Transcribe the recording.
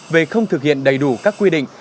về không thực hiện đầy đủ các quy định